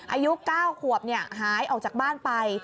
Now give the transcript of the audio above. อายุ๙ขวบหายออกจากบ้านไป